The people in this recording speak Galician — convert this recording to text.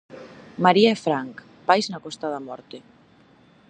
María e Frank, pais na Costa da Morte.